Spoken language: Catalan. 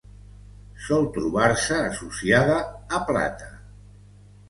Sol trobar-se associada a plata.